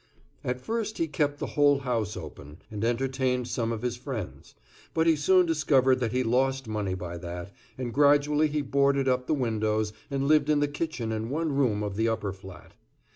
At first he kept the whole house open, and entertained some of his friends; but he soon discovered that he lost money by that, and gradually he boarded up the windows and lived in the kitchen and one room of the upper flat.